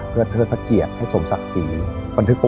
เพื่อที่เราจะได้ทำผลงานชีวิตนี้ออกมา